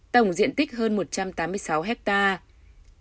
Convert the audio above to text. tổng diện tích hơn một trăm tám mươi sáu hectare